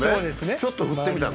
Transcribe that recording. ちょっと振ってみたの。